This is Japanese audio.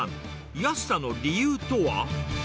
安さの理由とは。